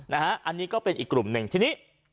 อันนี้ก็เป็นอีกกลุ่มหนึ่งทีนี้